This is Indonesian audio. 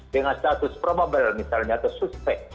dengan status probable misalnya atau suspek